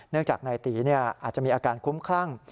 เนื่องจากนายตี๋อาจจะมีอาการคุ้มครั่ง